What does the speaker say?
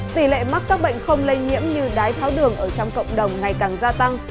tỷ lệ mắc các bệnh không lây nhiễm như đái tháo đường ở trong cộng đồng ngày càng gia tăng